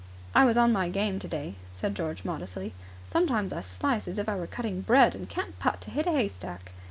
"I was on my game today," said George modestly. "Sometimes I slice as if I were cutting bread and can't putt to hit a haystack."